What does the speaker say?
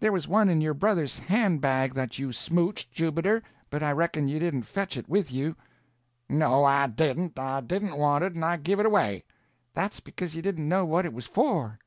There was one in your brother's hand bag that you smouched, Jubiter, but I reckon you didn't fetch it with you." "No, I didn't. I didn't want it, and I give it away." "That's because you didn't know what it was for."